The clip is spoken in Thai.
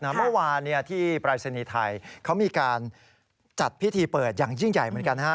เมื่อวานที่ปรายศนีย์ไทยเขามีการจัดพิธีเปิดอย่างยิ่งใหญ่เหมือนกันนะฮะ